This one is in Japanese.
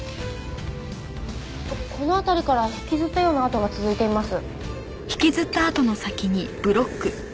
この辺りから引きずったような跡が続いています。